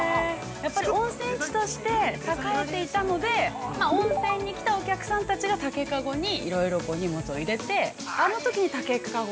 やっぱり温泉地として栄えていたので温泉に来たお客さんたちが竹かごにいろいろと荷物を入れてあのときに竹かご？